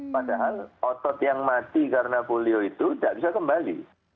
padahal otot yang mati karena polio itu tidak bisa kembali